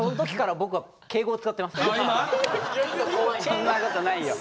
そんなことないよ。